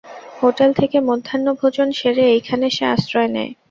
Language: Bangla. হোটেল থেকে মধ্যাহ্নভোজন সেরে এইখানে সে আশ্রয় নেয়।